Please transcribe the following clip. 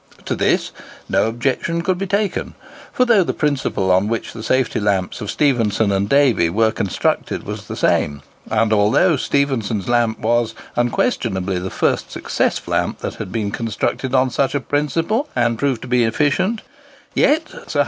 To this no objection could be taken; for though the principle on which the safety lamps of Stephenson and Davy were constructed was the same; and although Stephenson's lamp was, unquestionably, the first successful lamp that had been constructed on such principle, and proved to be efficient,—yet Sir H.